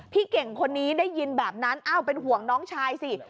พี่เก่งคนนี้ได้ยินแบบนั้นอ้าวเป็นห่วงน้องชายสิ